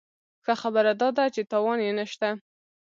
ښه خبره داده چې تاوان یې نه شته.